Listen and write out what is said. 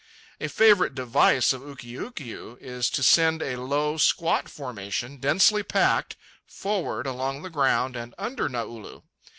A favourite device of Ukiukiu is to send a low, squat formation, densely packed, forward along the ground and under Naulu.